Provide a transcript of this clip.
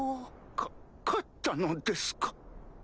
か勝ったのですか？